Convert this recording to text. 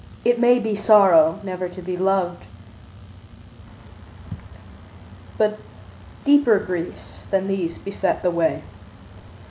It may be sorrow never to be loved, But deeper griefs than these beset the way.